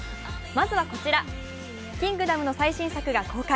まずはこちら、「キングダム」の最新作が公開。